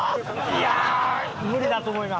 いやあ無理だと思います。